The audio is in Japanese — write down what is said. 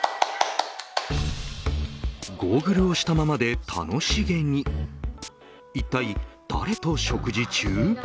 ゴーグルをしたままで楽しげに一体、誰と食事中。